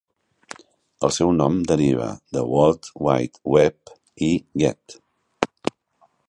El seu nom deriva de "World Wide Web" i "get".